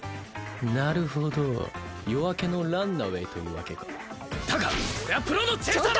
なるほど夜明けのランナウェイというわけかだが俺はプロのチェイサーだ！